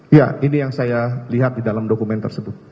iya ini yang saya lihat di dalam dokumen tersebut